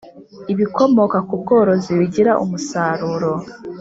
Ibikomoka ku bworozi bigira umusaruro.